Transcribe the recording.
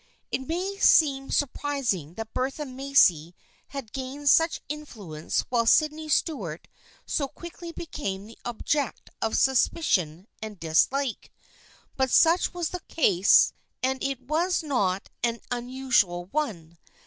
It may seem surprising that Bertha Macy had gained such influence while Sydney Stuart so quickly became the object of suspicion and dis like, but such was the case, and it was not an unusual one.